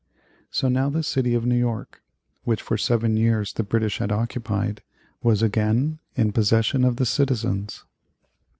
So now the city of New York, which for seven years the British had occupied, was again in possession of the citizens.